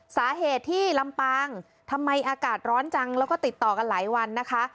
สาเหตุที่ลำปางทำไมอากาศร้อนจังแล้วก็ติดต่อกันหลายวันนะคะ